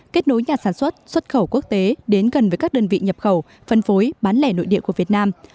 kết nối nhà sản xuất xuất khẩu quốc tế đến gần với các đơn vị nhập khẩu phân phối bán lẻ nội địa của việt nam